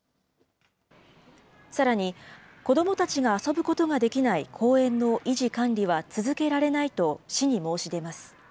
さらに、子どもたちが遊ぶことができない公園の維持・管理は続けられないと市に申し出ます。